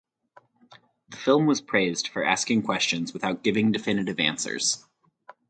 The film was praised for asking questions without giving definitive answers.